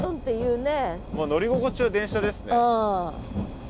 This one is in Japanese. もう乗り心地は電車ですね。